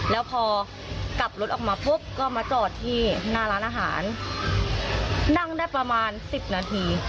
แล้วพอกลับรถออกมาปุ๊บก็มาจอดที่หน้าร้านอาหารนั่งได้ประมาณสิบนาที